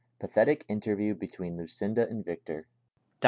PATHETIC INTERVIEW BETWEEN LUCINDA AND VICTOR I R.